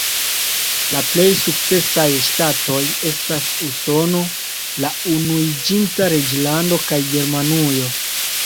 La plej sukcesaj ŝtatoj estas Usono, la Unuiĝinta Reĝlando kaj Germanujo.